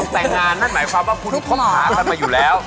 แต่งงานนั่นหมายความว่าคุณคบหากันมาอยู่แล้ว